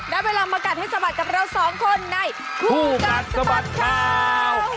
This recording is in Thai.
ได้เวลามากัดให้สะบัดกับเราสองคนในคู่กัดสะบัดข่าว